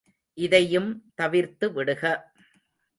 இதையும் தவிர்த்து விடுக.